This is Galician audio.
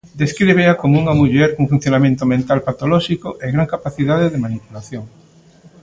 Descríbea como unha muller cun funcionamento mental patolóxico e gran capacidade de manipulación.